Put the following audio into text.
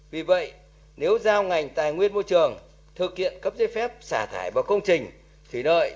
vì vậy nếu giao ngành tài nguyên môi trường thực hiện cấp giấy phép xả thải vào công trình thủy lợi